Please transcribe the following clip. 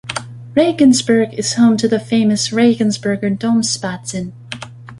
Regensburg is home to the famous Regensburger Domspatzen.